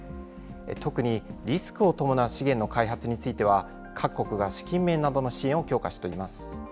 特にリスクを伴う資源の開発については、各国が資金面などの協力を強化しています。